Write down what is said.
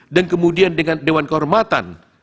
dan kemudian dengan dewan kehormatan